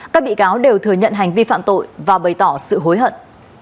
các bị cáo đều thừa nhận hành vi phạm tội và bày tỏ sự hối hận